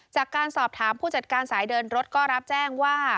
จากการสอบถามผู้จัดการสายเดินรถก็รับแจ้งว่า